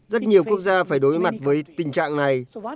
rất nhiều quốc gia phải đối mặt với tình trạng này